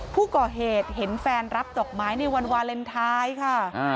ผู้ก่อเหตุเห็นแฟนรับดอกไม้ในวันวาเลนไทยค่ะ